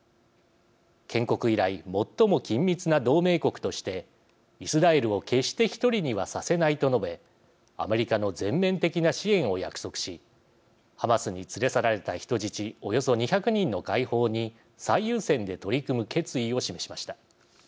建国以来最も緊密な同盟国としてイスラエルを決して独りにはさせないと述べアメリカの全面的な支援を約束しハマスに連れ去られた人質およそ２００人の解放に最優先で取り組む決意を示しました。